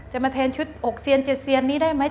จะมาแทนชุดอกเซียน๗เซียนนี้ได้ไหม